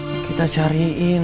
aku tuh misalnya ikut